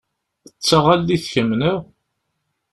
D taɣallit kemm, neɣ?